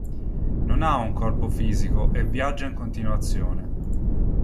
Non ha un corpo fisico e viaggia in continuazione.